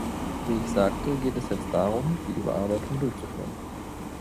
Wie ich sagte, geht es jetzt darum, die Überarbeitung durchzuführen.